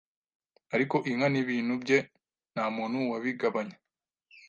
ariko inka n'ibintu bye nta muntu wabigabanye